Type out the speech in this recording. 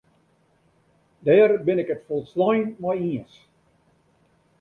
Dêr bin ik it folslein mei iens.